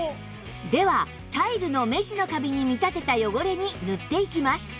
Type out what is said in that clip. ではタイルの目地のカビに見立てた汚れに塗っていきます